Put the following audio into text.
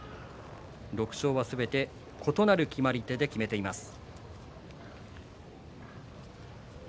６勝はすべて異なる決まり手で決めています。